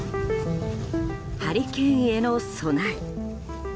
ハリケーンへの備え。